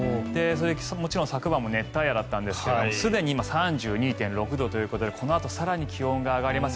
もちろん昨晩も熱帯夜だったんですがすでに今３２．６度ということでこのあと更に気温が上がります。